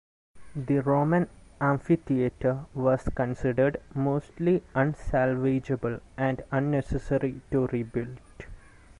The Roman amphitheatre was considered mostly unsalvageable and unnecessary to rebuilt.